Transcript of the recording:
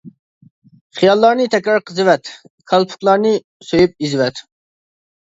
خىياللارنى تەكرار قېزىۋەت، كالپۇكلارنى سۆيۈپ ئېزىۋەت.